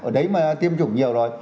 ở đấy mà tiêm chủng nhiều rồi